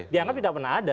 dianggap tidak pernah ada